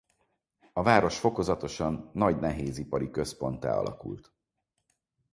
A város fokozatosan nagy nehézipari központtá alakult.